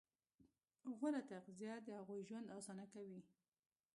غوره تغذیه د هغوی ژوند اسانه کوي.